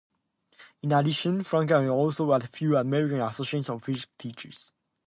In addition, Frank Cascarano is a Fellow of the American Association of Physics Teachers.